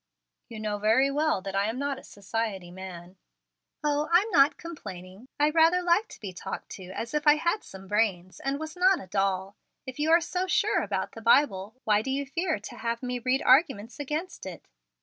"You know very well that I am not a society man." "O, I'm not complaining. I rather like to be talked to as if I had some brains, and was not a doll. If you are so sure about the Bible, why do you fear to have me read arguments against it?"